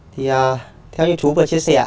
thì theo như chú vừa chia sẻ